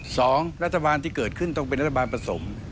สองรัฐบาลที่เกิดขึ้นต้องเป็นรัฐบาลผสม